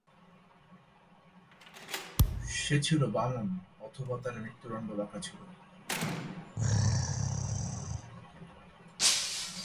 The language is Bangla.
সে ছিল বামন অথবা তার মেরুদণ্ড বাঁকা ছিল।